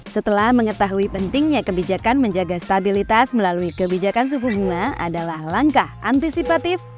setelah mengetahui pentingnya kebijakan menjaga stabilitas melalui kebijakan suku bunga adalah langkah antisipatif